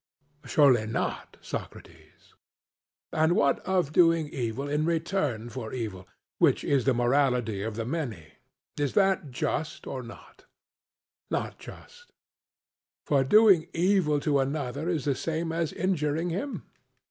CRITO: Surely not, Socrates. SOCRATES: And what of doing evil in return for evil, which is the morality of the many is that just or not? CRITO: Not just. SOCRATES: For doing evil to another is the same as injuring him?